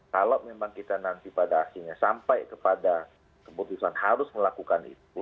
kalau memang kita nanti pada akhirnya sampai kepada keputusan harus melakukan itu